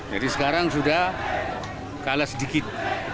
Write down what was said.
jadi sekarang sudah kalah sedikit